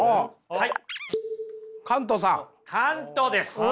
はい！